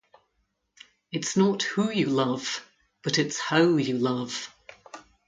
It's not who you love but it's how you love.